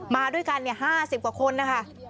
มาด้วยกัน๕๐กว่าคนนะคะ